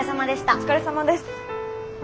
お疲れさまです。